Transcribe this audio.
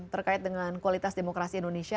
terkait dengan kualitas demokrasi indonesia